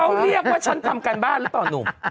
เขาเรียกว่าฉันทำการบ้านหรือเปล่าหนุ่ม